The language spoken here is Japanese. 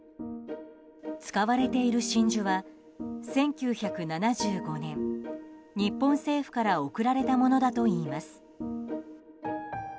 使われている真珠は１９７５年日本政府から贈られたものだといいます。